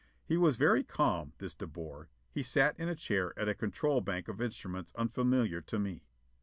He was very calm, this De Boer. He sat in a chair at a control bank of instruments unfamiliar to me.